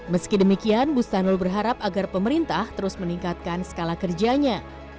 meski demikian bustanul berharap agar pemerintah terus meningkatkan skala kerjanya